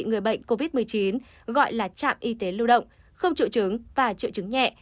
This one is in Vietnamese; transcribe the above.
người bệnh covid một mươi chín gọi là trạm y tế lưu động không triệu chứng và triệu chứng nhẹ